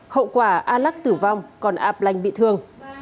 hậu quả a lắc tử vong còn ạp lành bị thương